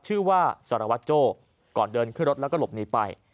ชื่อว่าสารวัตรโจ้ก่อนเดินขึ้นรถแล้วก็หลบหนีไป